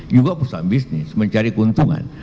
juga perusahaan bisnis mencari keuntungan